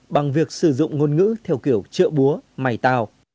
bằng việc sử dụng ngôn ngữ theo kiểu chợ búa mày tào